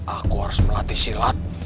aku harus melatih silat